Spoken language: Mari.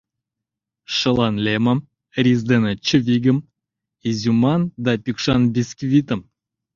Шылан лемым, рис дене чывигым, изюман да пӱкшан бисквитым.